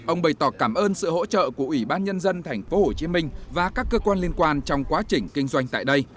ông bày tỏ cảm ơn sự hỗ trợ của ủy ban nhân dân tp hcm và các cơ quan liên quan trong quá trình kinh doanh tại đây